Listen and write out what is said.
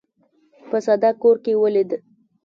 په ساده کور کې ولید.